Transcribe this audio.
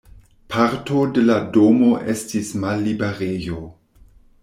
Parto de la domo estis malliberejo.